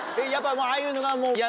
ああいうのがもう。